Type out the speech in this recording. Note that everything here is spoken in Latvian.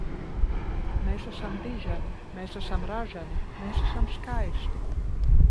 Mēs esam diženi! Mēs esam raženi! Mēs esam skaisti!